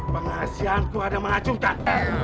penghasian gua ada mengacungkan